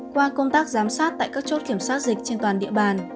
qua công tác giám sát tại các chốt kiểm soát dịch trên toàn địa bàn